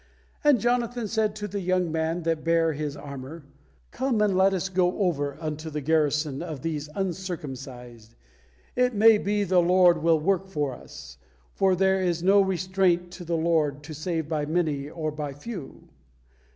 ... And Jonathan said to the young man that bare his armour: 'Come and let us go over unto the garrison of these uncircumcised: it may be that the Lord will work for us: for there is no restraint to the Lord to save by many or by few.'